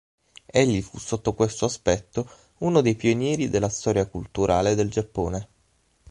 Egli fu sotto questo aspetto uno dei pionieri della storia culturale del Giappone.